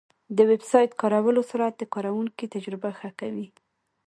د ویب سایټ بارولو سرعت د کارونکي تجربه ښه کوي.